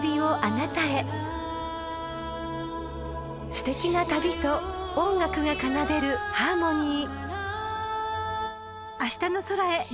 ［すてきな旅と音楽が奏でるハーモニー］